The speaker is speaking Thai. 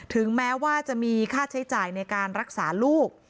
ถึงแม้ว่าจะมีค่าใช้จ่ายในการรักษาลูก